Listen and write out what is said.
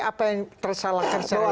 apa yang tersalah tersalah lebih